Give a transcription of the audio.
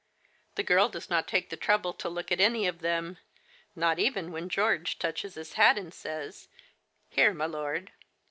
The girl does not take the trouble to look at any of them, not even when George touches his hat, and says, " Here, my lord."